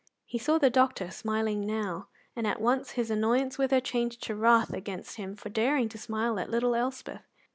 He saw the doctor smiling now, and at once his annoyance with her changed to wrath against him for daring to smile at little Elspeth.